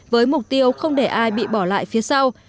điều không để ai bị bỏ lại phía sau